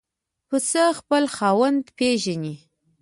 پسه خپل خاوند پېژني.